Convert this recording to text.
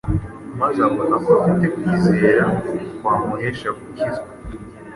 maze abona ko ” afite kwizera kwamuhesha gukizwa.